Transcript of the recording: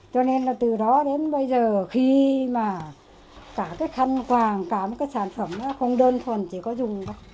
cho nên từ đó đến bây giờ khi mà cả cái khăn hoàng cả cái sản phẩm không đơn thuần chỉ có dùng